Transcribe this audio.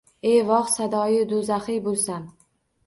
E vox sadoiy duzzaxiy bulsam